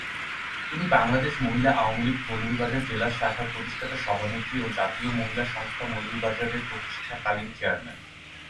তিনি বাংলাদেশ মহিলা আওয়ামীলীগ মৌলভীবাজার জেলা শাখার প্রতিষ্ঠাতা সভানেত্রী ও জাতীয় মহিলা সংস্থা মৌলভীবাজার এর প্রতিষ্ঠা কালীন চেয়ারম্যান।